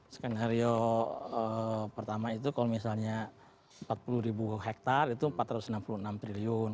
skenario pertama itu kalau misalnya empat puluh ribu hektare itu empat ratus enam puluh enam triliun